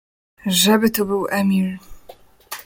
Żeby tu był Emil.